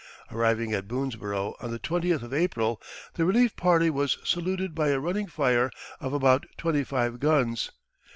Arriving at Boonesborough on the twentieth of April, the relief party was "saluted by a running fire of about twenty five guns."